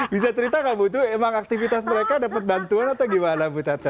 bisa cerita nggak bu itu emang aktivitas mereka dapat bantuan atau gimana bu tata